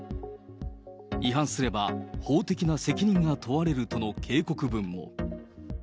違反すれば法的な責任が問われるとの警告文も。